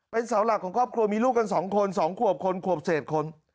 เป็นเสาหลักของครอบครัวมีลูกกัน๒คน๒ขวบคนขวบเศษคน